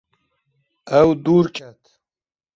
Ew dûr ket.